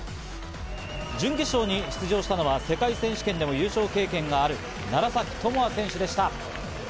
準決勝に出場したのは世界選手権でも優勝経験がある楢崎智亜選手でした。